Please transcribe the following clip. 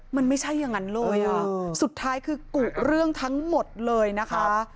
มันไม่ใช่อย่างนั้นเลยอ่ะสุดท้ายคือกุเรื่องทั้งหมดเลยนะคะ